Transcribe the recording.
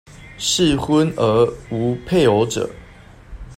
適婚而無配偶者